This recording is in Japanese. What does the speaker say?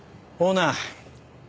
オーナー。